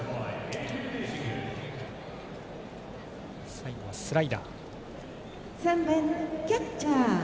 最後はスライダー。